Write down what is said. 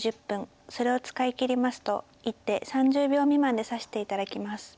それを使い切りますと一手３０秒未満で指して頂きます。